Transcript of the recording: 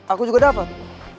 aku juga dapet